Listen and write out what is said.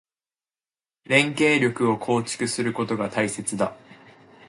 連携力を構築することが大切だ。